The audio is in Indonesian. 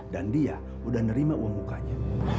dan dia sudah menerima uang bukanya